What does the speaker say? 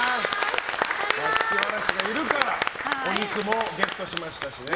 座敷わらしがいるからお肉もゲットしましたしね。